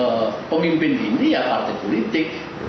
karena pemimpin ini ya partai politik